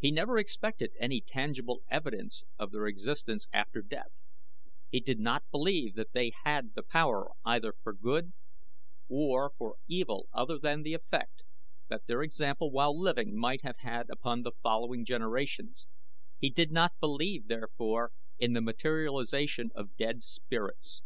He never expected any tangible evidence of their existence after death; he did not believe that they had the power either for good or for evil other than the effect that their example while living might have had upon following generations; he did not believe therefore in the materialization of dead spirits.